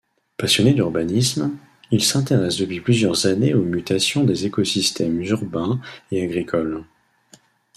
Passionné d'urbanisme, il s'intéresse depuis plusieurs années aux mutations des écosystèmes urbains et agricoles.